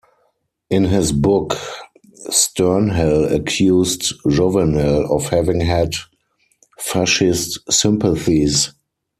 In his book, Sternhell accused Jouvenel of having had Fascist sympathies.